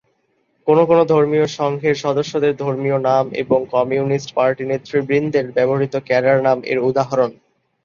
কোনো কোনো ধর্মীয় সংঘের সদস্যদের ধর্মীয় নাম এবং কমিউনিস্ট পার্টি নেতৃবৃন্দের ব্যবহৃত "ক্যাডার নাম" এর উদাহরণ।